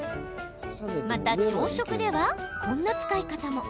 また朝食では、こんな使い方も。